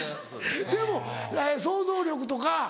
でも想像力とか。